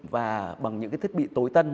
và bằng những cái thiết bị tối tân